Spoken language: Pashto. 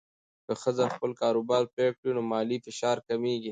که ښځه خپل کاروبار پیل کړي، نو مالي فشار کمېږي.